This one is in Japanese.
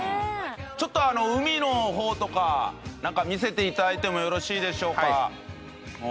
ちょっと海のほうとか見せていただいてもよろしいでしょうか？